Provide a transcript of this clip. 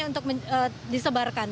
ini tidak bisa disebarkan